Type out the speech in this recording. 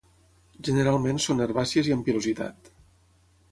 Generalment són herbàcies i amb pilositat.